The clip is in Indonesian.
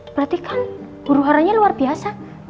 berarti kan buru haranya luar biasa